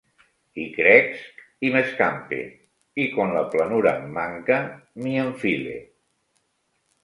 I cresc i m'escampe; i quan la planura em manca, m'hi enfile.